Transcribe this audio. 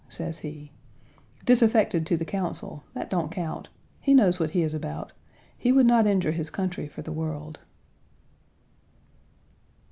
Page 142 "disaffected to the Council, that don't count. He knows what he is about; he would not injure his country for the world."